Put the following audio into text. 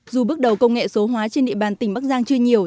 dù bước đầu công nghệ số hóa trên địa bàn tỉnh bắc giang chưa nhiều